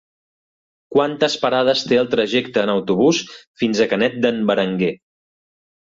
Quantes parades té el trajecte en autobús fins a Canet d'en Berenguer?